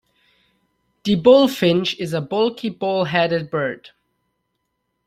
The bullfinch is a bulky bull-headed bird.